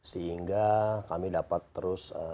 sehingga kami dapat terus